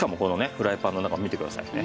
フライパンの中を見てくださいね。